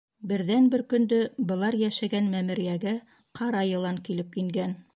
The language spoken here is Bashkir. Берҙән-бер көндө былар йәшәгән мәмерйәгә ҡара йылан килеп ингән.